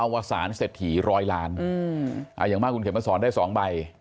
วสารเศรษฐีร้อยล้านอย่างมากคุณเข็มมาสอนได้๒ใบ